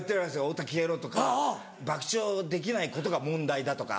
「太田消えろ」とか「爆笑できないことが問題だ」とか。